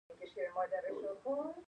د افغانستان ملي میوه انار ده